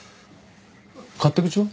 勝手口は？